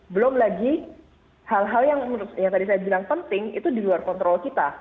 belum lagi hal hal yang tadi saya bilang penting itu di luar kontrol kita